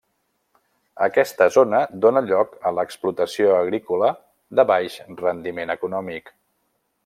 Aquesta zona dóna lloc a l'explotació agrícola de baix rendiment econòmic.